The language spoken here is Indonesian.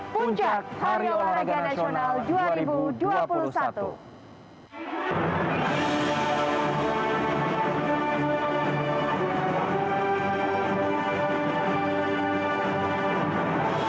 puncak h o n a s dua ribu dua puluh